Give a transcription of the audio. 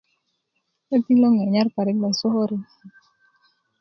'deti loŋ 'n nyanyar parik lo a sukuri